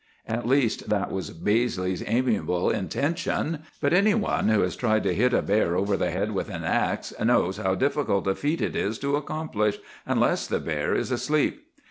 "At least, that was Baizley's amiable intention; but any one who has tried to hit a bear over the head with an axe knows how difficult a feat it is to accomplish, unless the bear is asleep.